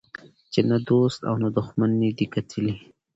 چي نه دو ست او نه دښمن یې دی کتلی